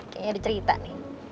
kayaknya ada cerita nih